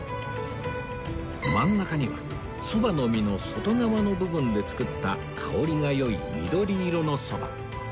真ん中にはそばの実の外側の部分で作った香りが良い緑色のそば